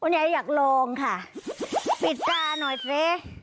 ยายอยากลองค่ะปิดตาหน่อยสิ